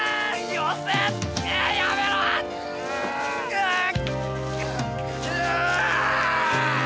うっ！